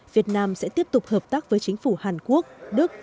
việt nam sẽ tiếp tục hợp tác với chính phủ hàn quốc đức